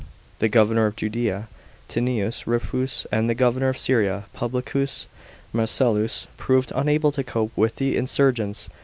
The governor of Judea, Tineius Rufus, and the governor of Syria, Publicius Marcellus, proved unable to cope with the insurgents.